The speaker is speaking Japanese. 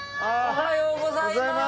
おはようございます。